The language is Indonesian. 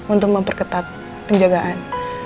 untuk memperketat penjagaan